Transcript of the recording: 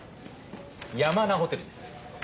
山名ホテルです。